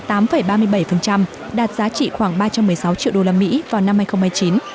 đạt giá trị khoảng ba trăm một mươi sáu triệu đô la mỹ vào năm hai nghìn một mươi chín